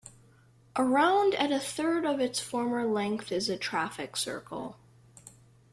Around at a third of its former length is a traffic circle.